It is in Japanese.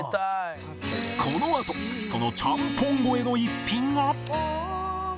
このあとそのちゃんぽん超えの一品が